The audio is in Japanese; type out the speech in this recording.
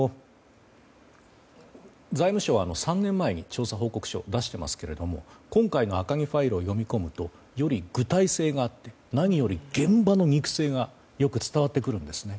財務省は３年前に調査報告書を出していますけれども今回の赤木ファイルを読み込むとより具体性があって何より現場の肉声がよく伝わってくるんですね。